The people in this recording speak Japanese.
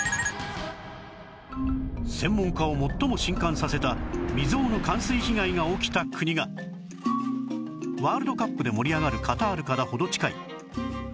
専門家を最も震撼させた未曾有の冠水被害が起きた国がワールドカップで盛り上がるカタールから程近い